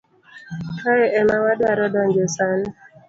Kae ema wadwaro donje sani.